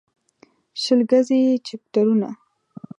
شل ګزي يې چپټرونه